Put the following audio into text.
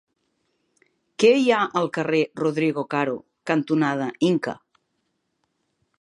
Què hi ha al carrer Rodrigo Caro cantonada Inca?